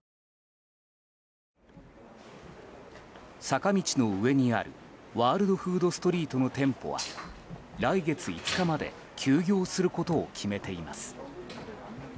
坂道の上にある、ワールドフードストリートの店舗は来月５日まで休業することを決めています。